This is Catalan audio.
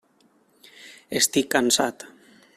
Estic cansat.